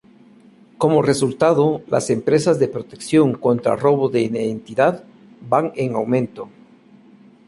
Como resultado, las empresas de protección contra robo de identidad van en aumento.